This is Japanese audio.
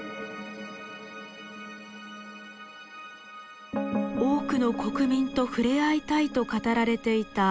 多くの国民と触れ合いたいと語られていた天皇陛下。